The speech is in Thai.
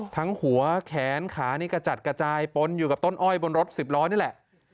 หัวแขนขานี่กระจัดกระจายปนอยู่กับต้นอ้อยบนรถสิบล้อนี่แหละ